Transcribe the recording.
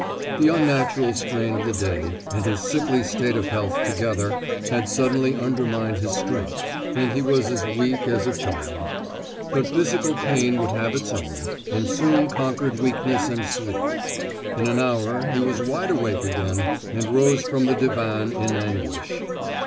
The unnatural strain of the day, and his sickly state of health together, had suddenly undermined his strength, and he was as weak as a child. But physical pain would have its own, and soon conquered weakness and sleep; in an hour he was wide awake again, and rose from the divan in anguish.